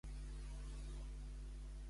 Quines mancances troba al discurs de Maragall?